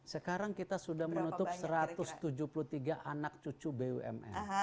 sekarang kita sudah menutup satu ratus tujuh puluh tiga anak cucu bumn